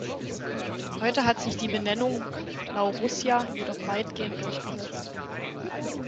Heute hat sich die Benennung "Laurussia" jedoch weitgehend durchgesetzt.